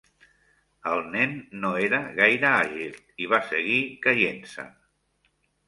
El nen no era gaire àgil i va seguir caient-se.